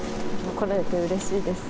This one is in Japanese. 来られてうれしいです。